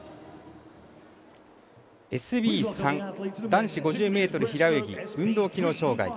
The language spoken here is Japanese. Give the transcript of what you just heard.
ＳＢ３男子５０ｍ平泳ぎ運動機能障がい。